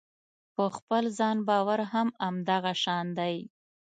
په خپل ځان باور هم همدغه شان دی.